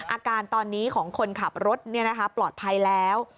อาการตอนนี้ของคนขับรถปลอดภัยแล้ว